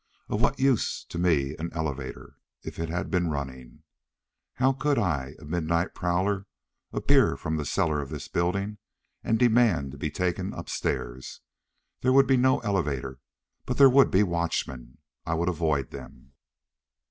Of what use to me an elevator, if it had been running? How could I, a midnight prowler, appear from the cellar of this building, and demand to be taken upstairs! There would be no elevator, but there would be watchmen. I would avoid them.